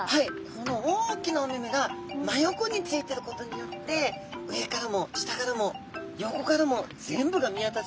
この大きなお目々が真横についていることによって上からも下からも横からも全部が見渡せてる感じなんですね。